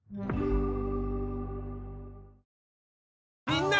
みんな！